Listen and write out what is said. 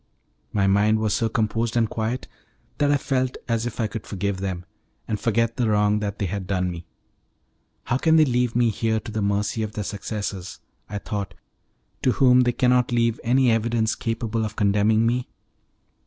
My mind was so composed and quiet that I felt as if I could forgive them, and forget the wrong that they had done me. "How can they leave me here to the mercy of their successors," I thought, "to whom they cannot leave any evidence capable of condemning me?"